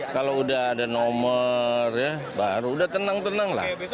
kalau udah ada nomor ya baru udah tenang tenang lah